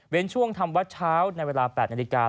เป็นช่วงทำวัดเช้าในเวลา๘นาฬิกา